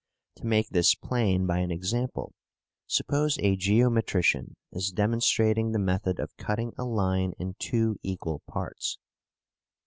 To make this plain by an example, suppose a geometrician is demonstrating the method of cutting a line in two equal parts.